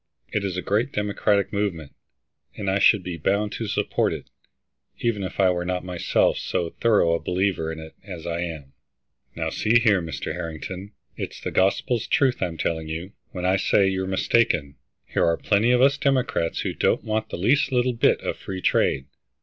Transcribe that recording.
It is a great Democratic movement, and I should be bound to support it, even if I were not myself so thorough a believer in it as I am." "Now see here, Mr. Harrington, it's the gospel truth I'm telling you, when I say you're mistaken. Here are plenty of us Democrats who don't want the least little bit of free trade.